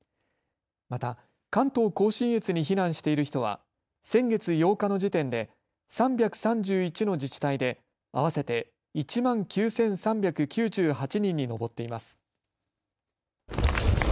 また関東甲信越に避難している人は先月８日の時点で３３１の自治体で合わせて１万９３９８人に上っています。